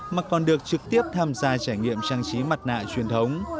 mà còn được trực tiếp tham gia trải nghiệm trang trí mặt nạ truyền thống